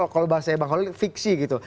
kalau bahasa ebang kalau bahasa fiksi gitu